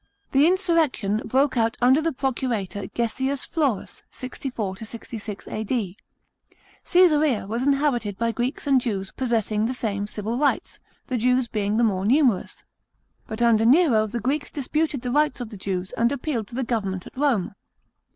§ 17. The insurrection broke out under the procurator Gessius Florus (64 66 A.D.). Csesarea was inhabited by Greeks and Jews, possessing the same civil rights, the Jews being the more numerous. But under Nero the Greeks disputed the rights of the Jews, and appealed to the government at Rome.